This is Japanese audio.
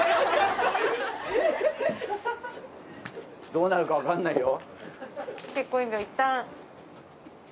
どうなるか分かんないよ？